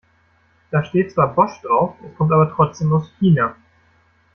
Da steht zwar Bosch drauf, es kommt aber trotzdem aus China.